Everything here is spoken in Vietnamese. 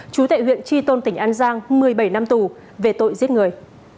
chú tại huyện tri tôn tỉnh an giang một mươi bảy năm tù về tội giết người